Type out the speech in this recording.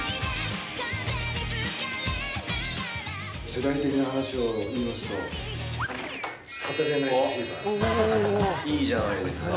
世代的な話を言いますと、いいじゃないですか。